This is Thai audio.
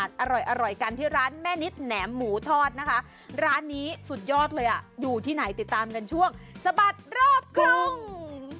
ร้านนี้สุดยอดเลยอยู่ที่ไหนติดตามกันช่วงสบัดรอบครึ่ง